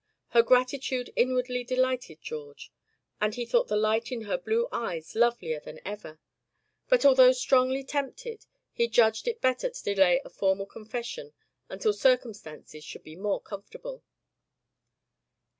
Her gratitude inwardly delighted George, and he thought the light in her blue eyes lovelier than ever; but although strongly tempted, he judged it better to delay a formal confession until circumstances should be more comfortable.